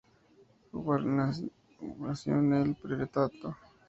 Urbanización "El Priorato".